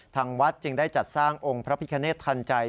ทางวัดจึงได้จัดสร้างองค์พระพิคเนธทันใจ